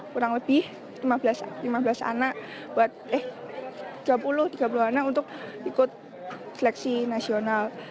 kurang lebih lima belas anak buat eh dua puluh tiga puluh anak untuk ikut seleksi nasional